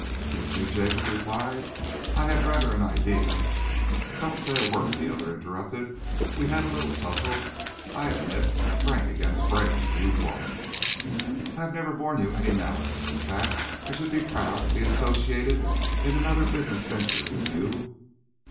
"Did you?" Jacob replied. "I had rather an idea " "Don't say a word," the other interrupted. "We had a little tussle, I admit. Brain against brain, and you won. I have never borne you any malice in fact I should be proud to be associated in another business venture with you."